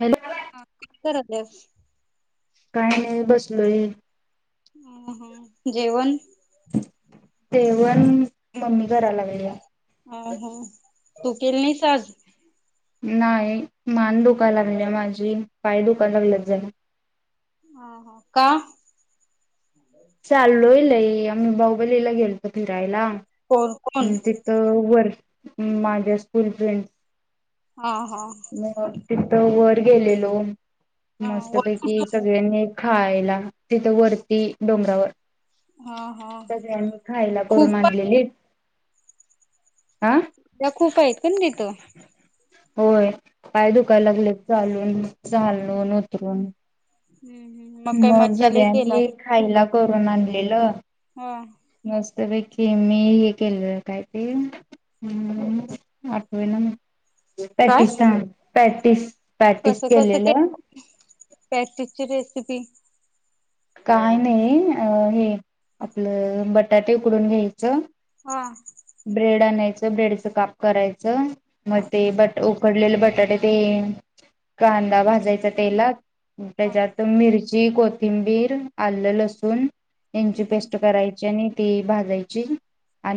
Hello हा करत नायस काही नाही बसलोय अ ह जेवणं? जेवण मम्मी करायला लागलीया. अ ह तू केली नाहीसं आज नाही मान दुखायला लागल्या माझी पाय दुखायला लागल्यात जरा ह ह का? चाललोयं लई आम्ही बाहुबलीला गेलतो फिरायला कोण कोण हम्म तिथं वर माझ्या स्कूल फ्रेंडसं हा हा मग तिथं वरं गेलेलो अ वर मस्तपैकी सगळ्यांनी एकं खायला तिथं वरती डोंगरावर हा हा सगळ्यांनी खायला करून खूप आणलेलीतं आं त्या खूप आहेत कनी तिथं होयं पाय दुखायला लागलेतं चालूनं चालून उतरून काही मग मज्जा लई सगळ्यांनी केलात खायलां करून आणलेलं हा त्यापैकी मी हे केलंलं काय ते आम् आठवेना म पॅटिस्तान. पॅटिस पॅटिस कस कस केलेलं केलं? पॅटिसची रेसिपी किती? काय नाही अ हे, आपलं बटाटे उकडून घ्याय चं हा ब्रेड आणयचं. ब्रेडचं काप करायचं. मग ते बट उकडलेले बटाटे ते कांदा भाजायचं तेलात. हा त्याच्यात मिर ची, कोथिंबीर आल्ल, लसून यांंची हं हं. पेस्ट करायची आणि ती भाजायची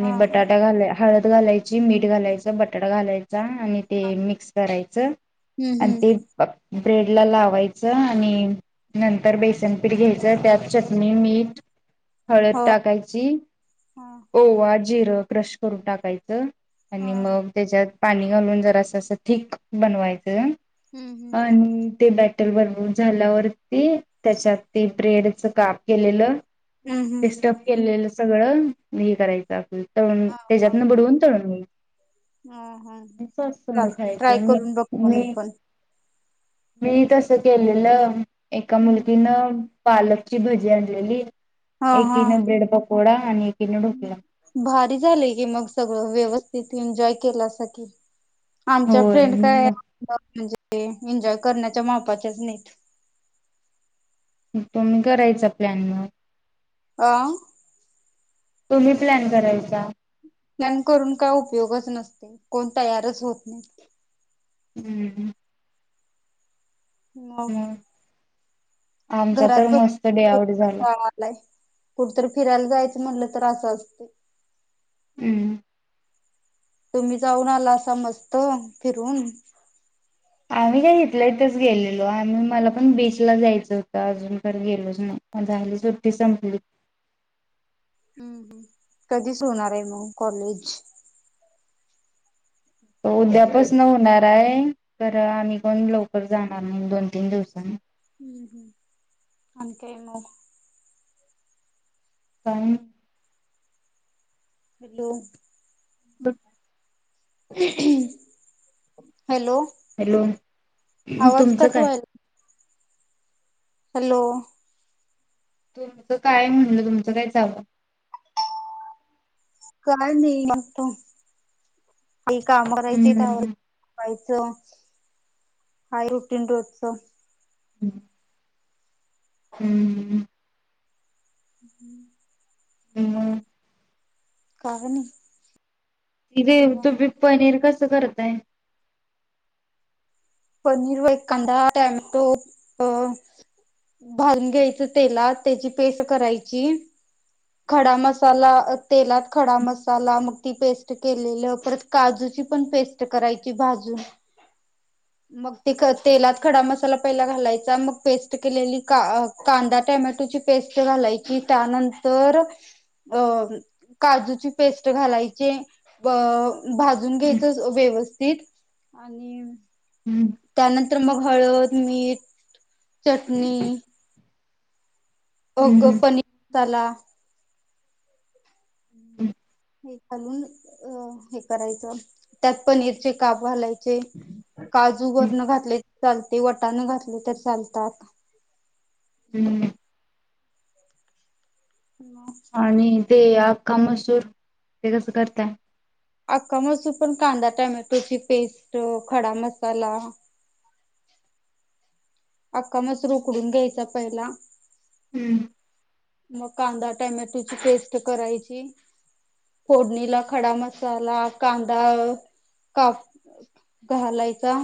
हा बटाटा घाल हळद घालायची, मीठ घालायचं, बटाट घालाय चा आणि ते मिक्स कराय च. हम्म आणि हम्म ते ब्रेड ला लावायचं, आणि नंतर बेसन पीठ घ्याय त्यात चटणी, मीठ हळद हो टाकायची. हा ओवा, जिर क्रश करून टाकायचं. आणि ह मग त्याच्यात पाणी घालून जर असं असं थीक बनवायचं. हम्म हम्म अन ते ब हेल बनउन झाल्यावरती, त्याच्यात ती ब्रेडच काप केलेलं हम्म ते हम्म स्टफ केलेलं सगळं म हे करायचं आपन. तळून त्याच्यातनं बुडवून तळून घ्यायचं. हा हा. सॉस संग चालते ट्राय खायचं मी करून बघतो मी पण. मी तसं केलेलं एका हम्म मुलगीनं पालकची भजी आणलेली हा हा एकीनं ब्रेड पकोडा आणि एकीनं ढोकला भारी झालेय की मग सगळं व्यव तिथ एन्जॉय केला सा की आमच्या होय फ्रेंड काय मग म्हणजे? हे एन्जॉय करण्याच्या मापाचेच नाइत तुम्ही करायचा प्लॅन मग आ तुम्ही प्लॅन करायचा? प्लॅन करून काय उपयोगच नसतोय कोण तयारच होत नाही हम्म मग आमचा तर घरात बस मस्त डे आउट झाला कंटाळा आलाय कुठतरी फिरायला जायचं म्हटलं तर असं असतय हम्म तुम्ही जाऊन आला असा मस्त फिरून आम्ही काय हितल्यां हितच गेलेलो आम्ही मला पण बीचला जायचं होतं अजून तर गेलोच नाही झाली सुट्टी संपली कधीच होणार आहे मग कॉलेज उद्यापास न होणार आहे तर आम्ही कोण लवकर जाणार नाही दोन तीन दिवसांनी हम् हम् अनकयमो काय म हॅलो ब हॅलो हॅलो आवाज तुमचं कट काय? व्हायला हॅलो तुमचं काय म्हणलं तुमचं काय चालूय काय नाही आता ते काम करायचे तवा हम्म. झोपा हा हाय रुटीन रोजच हम्म हम्म मग कारण ये दिदे तूबी पनीर कस कस करताय पनीर व एक कांदा टॅमॅटो अ भाजून घ्यायच तेलात त्याची पेस्ट करायची खडा मसाला तेलात खडा मसाला मग ती पेस्ट केलेलं परत काजूची पण पेस्ट करायची भाजून मग ते ख तेलात खडा मसाला पहिला घालायचा मग पेस्ट केलेली का कांदा टमॅटोची पेस्ट घालायची त्यानंतर अ काजूची पेस्ट घालायची भाजून हम्म. घ्यायच व्यवस्थित आणि हम्म नंतर मग हळद मीठ चटणी अगं पनी चला हे घालून अ हे करायचं त्यात पनीरचे काप घालायचे काजू हम्म. वरण घातले चालते वटाण घातले तर चालतात हम्म हम् आणि ते अख्खा मसूर ते कसं करताय? आख्खा मसूर पण कांदा टमॅटोची पेस्ट खडा मसाला आख्खा मसुर उकडून घ्यायचा पहिला. मग कांदा टमॅटोची पेस्ट करायची. फोडणीला खडा मसाला, कांदा अ काप घालायचा.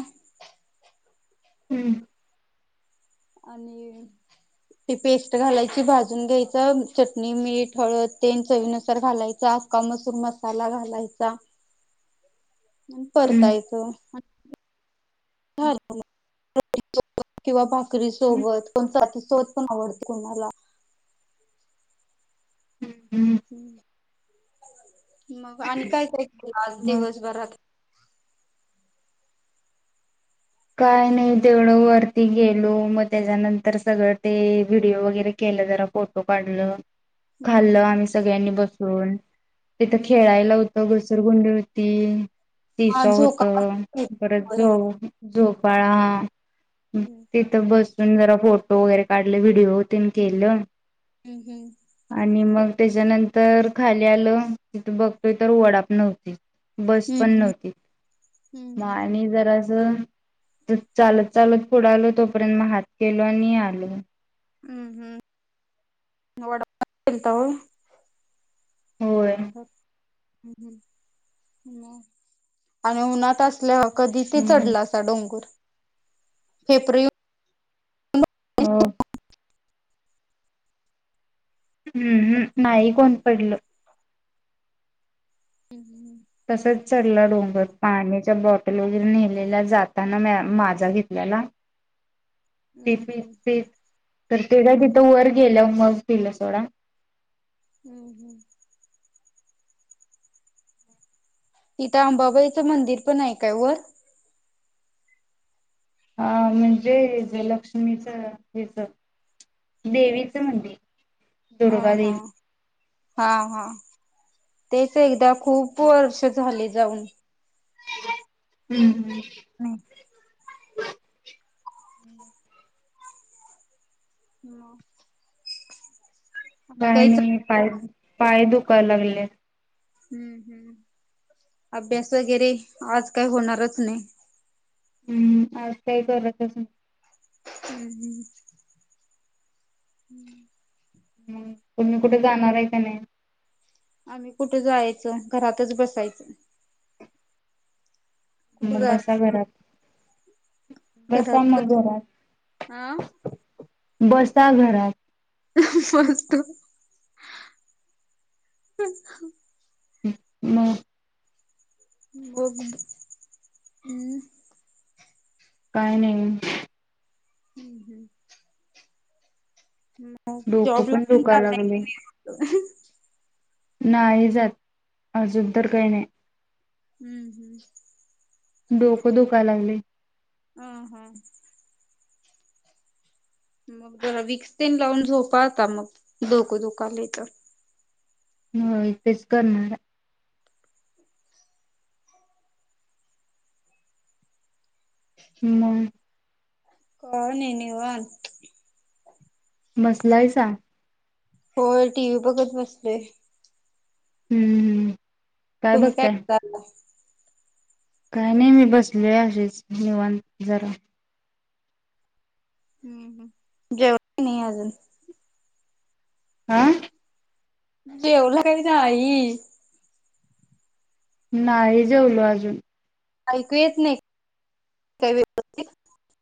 हम्म. आणि ती पेस्ट घालायची, भाजून घ्यायच. चटणी, मीठ हळद तेन चवीनुसार घालायचा. अक्का मसूर मसाला घालायचा. आणि परतायच. झालं मग रोटी सोबत किंवा भाकरी सोबत, चपाती सोबत पण आवडत कोणाला. हम्म. मग आणि काय काय केलं आज मग दिवसभरात? काय नाही तेवढं वरती गेलो, मग त्याच्यानंतर सगळं ते व्हिडिओ वगैरे केलं जरा फोटो काढलं. खाल्लं हम्म आम्ही सगळ्यांनी बसून, तिथं हम्म हम्म खेळायला होतं घस घसरगुंडी होती. तीस्वा आज होत झोका परत बरं. जाऊन झोपाळा हम्म तेिथ बस मी पण जरा फोटो वगैरे काढले, व्हिडिओ तेन केलं. हम्म हम्म. त्याज्यानंतर खाली आलं, तिथ बघतोय तर वडाप नव्हती. बस पण हम्म नव्हती, हम्म म हम्म आणि जरा ज चालत चालत पुढे आलो तोपर्यंत म हात केलो आणि आलो. हम्म हम्म वडा [unintelligible] केलता होय? होय. ह मग आणि उन्हात असल्याव कधी ते हम्म. चढलासा डोंगूर फेप्र येऊन हो. हम्म हम् नाही कोण पडल. तसच चढला डोंगर पाण्याच्या बॉटल वगैरे नेलेल्या, जाताना म्या माजा घेतलेला. ते हम्म पित हम्म पित ते काय तिथं वर गेल्यावर मग पिलं सोडा. हम्म हम्म. तिथं अंबाबाईचं मंदिर पण आहे काय वर? हा म्हणजे लक्ष्मीच हेच देवीचं मंदिर. अ ह दुर्गादेवी हा हा. तेच एकदा खूप वर्ष झाले जाऊन. हम्म हम्म. [inaudible] [inaudible] मं. काय नाही पाय पाय दुखाय लागल्यात. हम्म हम्म अभ्यास वगैरे आज काही होणारच नाय. हुम आज काय करतंच हम्म हम्म हम्म. हम्म तुमी कुठं जाणार हाय काय नाय. आम्ही कुठे जायचं घरातच बसायचं. हम्म कुठे मं जाय बसा घरात. बसा घरात मग आ घरात. बसता घरात. मस्त. मं. बघू हम्म. काही नाही. हम्म हम्म. डोकं जॉब ला पण दुखायला लागले जाता [unintelligible] नाही जात अजून तर काय नाही. हम्म हम्म. डोकं दुखाय लागलयं. हा हां. मग जरा विक्स तेन लावून झोपा आता मग डोकं दुखायलं तर. होयं तेेच करणार हा मं. काय नाही निवांत. बसलायसां. होय टी व्ही बघत बसलोय. हम्म हम्म. तुम्ही काय [unintelligible] काय नाही मी बसलोय अशीच निवांत जरा. हम्म ह जेवला [unintelligible] नाही अजून? आ. जेवला [unintelligible] नाही? नाही जेवलो अजून. ऐकू येत नाही काही [unintelligible]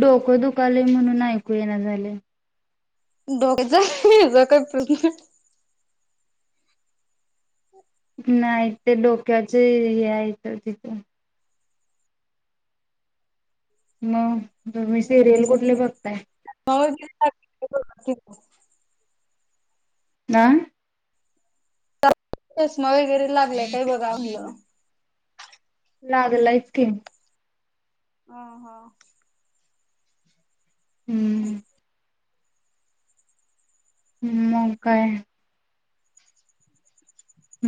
डोकं दुखायंल म्हणून ऐकू येई ना झालंय. डोक्याचा [unintelligible] हेझा कायं प्रश्न. नाही ते डोक्याचं हे आहेथ तिथे. मग! तुम्ही सिरियल, कुठले बघताय? किती [unintelligible] आ! एस. चष्मा, वगैरे लागलाय काय बघा म्हणलं लागलंय चं की. ह हा! हूं! मंग काय?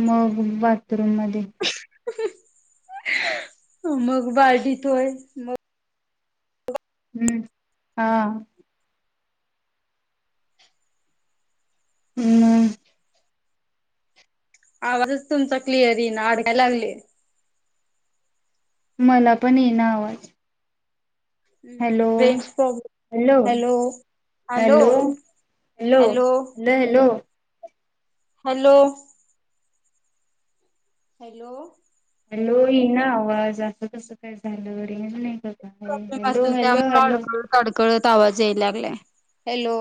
मग बात. रूममध्ये. मग बारडीतं होय मग. हूं हां! हूं आवाजच तुमचा क्लियर यी ना, आडकाय लागले. मला पण यी ना आवाज. हम्म हॅलो, हम्म. Range problem hello, hello, hello, hello. Hello. Hello. Hello यी ना आवाज, असं कसं काय झालं, रेंज नाही. का काय प्रॉब्लेम हॅलो असतील हॅलो त्यामुळं हॅलो अडकळत, अडकळत आवाज याय लागलाय. हॅलो.